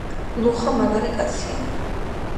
ლუხა მაგარი კაცია